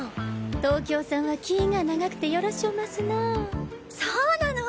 東京さんは気ィが長くてよろしおますなぁ。そうなの！